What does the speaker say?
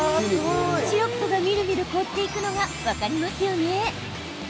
シロップがみるみる凍っていくのが分かりますよね？